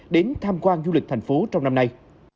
đến tham quan du lịch thành phố trong năm nay